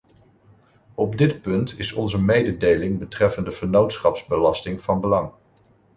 Op dit punt is onze mededeling betreffende vennootschapsbelasting van belang.